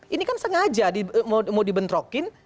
ini kan sengaja mau dibentrokin